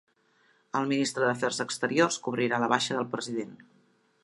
El ministre d'Afers Exteriors cobrirà la baixa del president